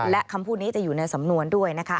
และคำพูดนี้จะอยู่ในสำนวนด้วยนะคะ